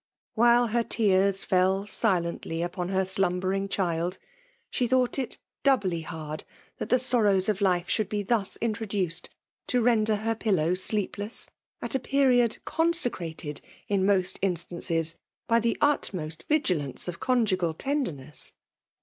While ber tesrs fell silently upon her slumbering child, she thought it doubly hard that the sorrows of life shotxld be thus introduced to render her pillow (^laep less, at a period consecrated, in most instances, by the utmost vigilance of conjugal tenderness.